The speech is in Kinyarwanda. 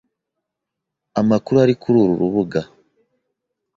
Amakuru ari kuri uru rubuga